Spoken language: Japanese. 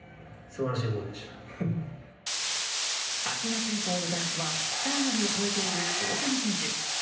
８月以降の打率は３割を超えている大谷選手。